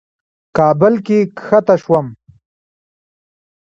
کابل کې کښته شوم.